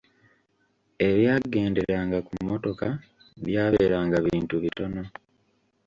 Ebyagenderanga ku mmotoka byabeeranga bintu bitono.